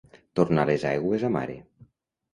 Tornar les aigües a mare.